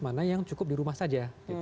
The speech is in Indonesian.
mana yang cukup di rumah saja